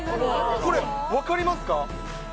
これ、分かりますか？